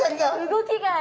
動きがある。